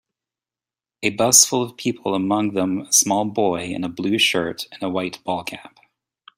A bus full of people among them a small boy in a blue shirt and a white ball cap